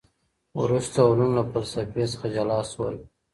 وروسته علوم له فلسفې څخه جلا سول.